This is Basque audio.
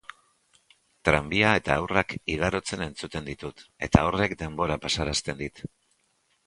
Tranbia eta haurrak igarotzen entzuten ditut, eta horrek denbora pasarazten dit.